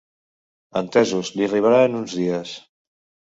Entesos, li arribarà en uns dies.